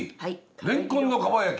れんこんのかば焼き？